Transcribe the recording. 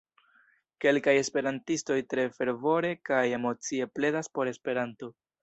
Kelkaj esperantistoj tre fervore kaj emocie pledas por Esperanto.